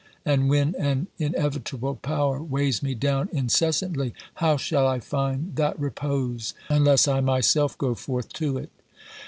And when an inevitable power weighs mc down incessantly, 138 OBERMANN how shall I find that repose unless I myself go forth to it?